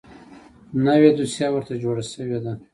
نوې دوسیه ورته جوړه شوې ده .